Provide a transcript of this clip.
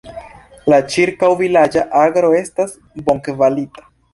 La ĉirkaŭ-vilaĝa agro estas bonkvalita.